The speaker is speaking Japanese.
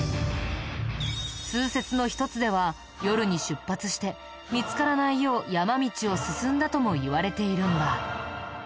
通説の一つでは夜に出発して見つからないよう山道を進んだともいわれているんだ。